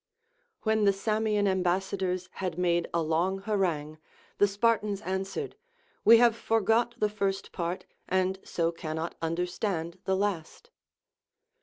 When the Samian ambassadors had made a long har angue, the Spartans answered, ΛΥο have forgot the first part, and so cannot understand the last.